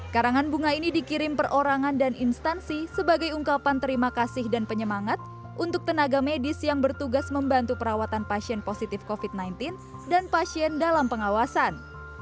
karangan bunga ini dikirim perorangan dan instansi sebagai ungkapan terima kasih dan penyemangat untuk tenaga medis yang bertugas membantu perawatan pasien positif covid sembilan belas dan pasien dalam pengawasan